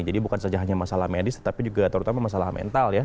jadi bukan saja hanya masalah medis tapi juga terutama masalah mental ya